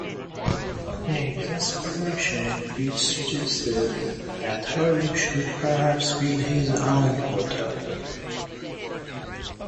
In exasperation, Beach suggested that Harding should perhaps build his own hotel.